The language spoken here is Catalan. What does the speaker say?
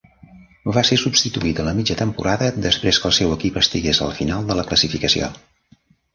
Va ser substituït a la mitja temporada després que el seu equip estigués al final de la classificació.